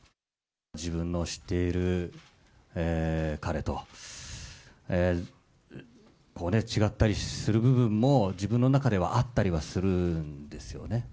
自分の知っている彼と、違ったりする部分も自分の中ではあったりはするんですよね。